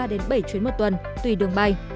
với tần suốt từ ba đến bảy chuyến một tuần tùy đường bay